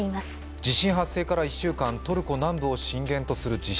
地震発生から１週間、トルコ南部を震源とする地震。